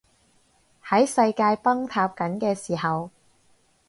喺世界崩塌緊嘅時候